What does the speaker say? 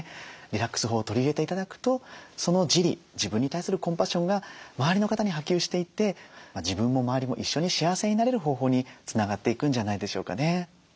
リラックス法を取り入れて頂くとその自利自分に対するコンパッションが周りの方に波及していって自分も周りも一緒に幸せになれる方法につながっていくんじゃないでしょうかね。